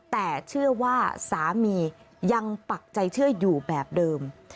แต่เชื่อว่าสามียังปักใจเชื่ออยู่แบบเดิม